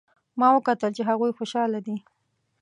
ما وکتل چې هغوی خوشحاله دي